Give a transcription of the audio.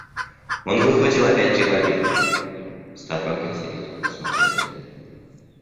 Он выхватил опять револьвер; Ставрогин серьезно посмотрел на него.